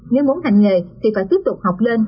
nếu muốn hành nghề thì phải tiếp tục học lên